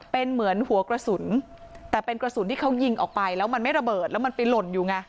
เป็นเหมือนหัวกระสุนแต่เป็นกระสุนที่เขายิงออกไปแล้วมันไม่ระเบิดแล้วมันไปหล่นอยู่ไง